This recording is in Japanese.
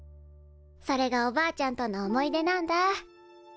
それがおばあちゃんとの思い出なんだ。